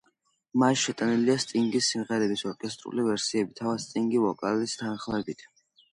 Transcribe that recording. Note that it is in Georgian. მასში შეტანილია სტინგის სიმღერების ორკესტრული ვერსიები, თავად სტინგის ვოკალის თანხლებით.